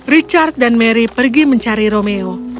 richard dan mary pergi mencari romeo